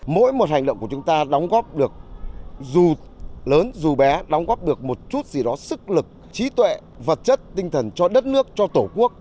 mỗi một hành động của chúng ta đóng góp được dù lớn dù bé đóng góp được một chút gì đó sức lực trí tuệ vật chất tinh thần cho đất nước cho tổ quốc